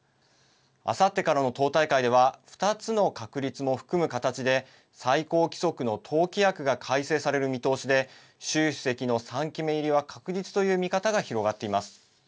あさってからの党大会では２つの確立も含む形で最高規則の党規約が改正される見通しで習主席の３期目入りは確実という見方が広がっています。